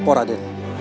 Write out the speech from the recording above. baik baik nih